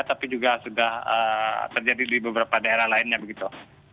tapi juga sudah terjadi di beberapa daerah lainnya begitu